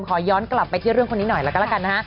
ขอย้อนกลับไปที่เรื่องคนนี้หน่อยแล้วก็ละกันนะฮะ